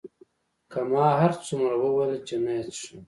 که ما هرڅومره وویل چې نه یې څښم.